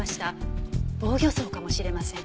防御創かもしれません。